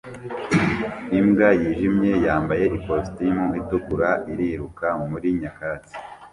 Imbwa yijimye yambaye ikositimu itukura iriruka muri nyakatsi